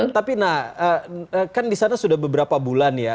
tapi nah kan di sana sudah beberapa bulan ya